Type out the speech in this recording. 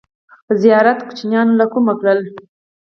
ـ زیارت نوماشومان له کومه کړل!